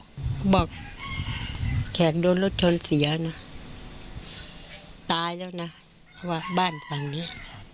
เขาบอกแขกโดนรถชนเสียนะตายแล้วนะเพราะว่าบ้านหลังนี้